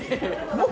もう。